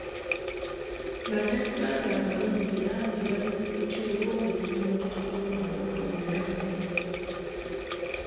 Bannayuganda abalonzi bangi bali mu kutya olw'obuvuyo mu kulonda okuddako.